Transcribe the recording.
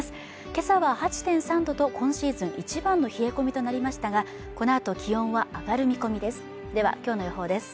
今朝は８．３度と今シーズン一番の冷え込みとなりましたがこのあと気温は上がる見込みですではきょうの予報です